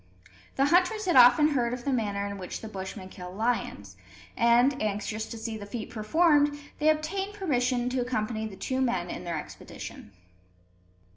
The hunters had often heard of the manner in which the Bushmen kill lions; and, anxious to see the feat performed, they obtained permission to accompany the two men on their expedition.